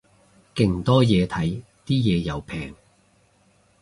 勁多嘢睇，啲嘢又平